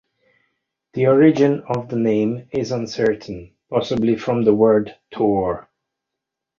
The origin of the name is uncertain, possibly from the word "tor".